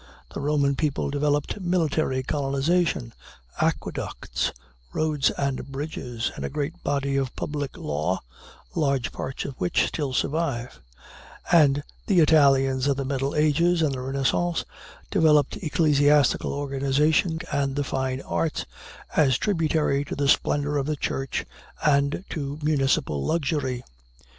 The Roman people developed military colonization, aqueducts, roads and bridges, and a great body of public law, large parts of which still survive; and the Italians of the middle ages and the Renaissance developed ecclesiastical organization and the fine arts, as tributary to the splendor of the church and to municipal luxury.